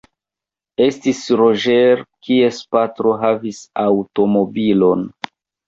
Estis Roĝers, kies patro havis aŭtomobilon.